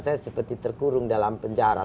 saya seperti terkurung dalam penjara